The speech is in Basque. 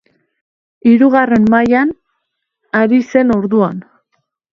Hirugarren mailan ari zen orduan.